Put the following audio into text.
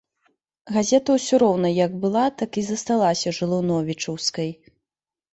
Газета ўсё роўна як была так і засталася жылуновічаўскай.